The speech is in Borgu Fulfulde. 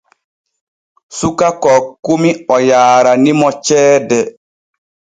Suka kokkumi o yaaranimo ceede.